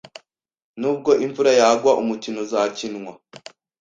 Nubwo imvura yagwa, umukino uzakinwa.